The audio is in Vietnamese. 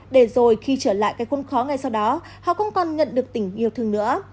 để rồi khi trở lại cái khuôn khó ngay sau đó họ không còn nhận được tình yêu thương nữa